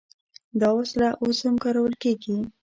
دا وسله اوس هم کارول کیږي.